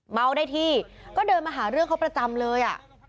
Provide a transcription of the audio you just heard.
เมาได้ที่ก็เดินมาหาเรื่องเขาประจำเลย